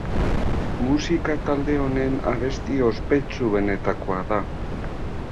Musika talde honen abesti ospetsuenetakoa da.